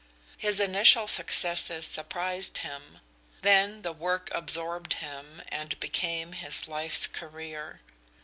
His initial successes surprised him; then the work absorbed him and became his life's career.